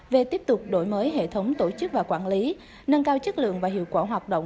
về tiếp tục đổi mới hệ thống tổ chức và quản lý nâng cao chất lượng và hiệu quả hoạt động